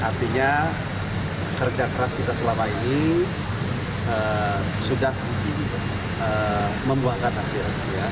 artinya kerja keras kita selama ini sudah membuahkan hasil